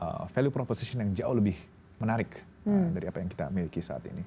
jadi itu adalah proposition yang jauh lebih menarik dari apa yang kita miliki saat ini